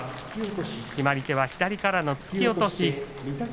決まり手は左からの突き落とし。